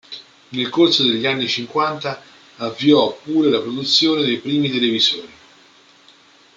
Nel corso degli anni cinquanta avviò pure la produzione dei primi televisori.